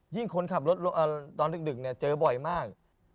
คนขับรถตอนดึกเจอบ่อยมาก